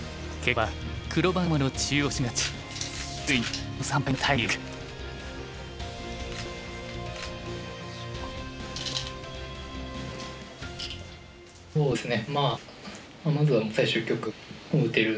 まあそうですね